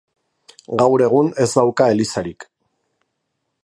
Gaur egun ez dauka elizarik